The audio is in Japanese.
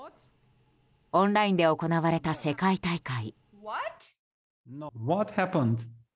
オンラインで行われた世界大会。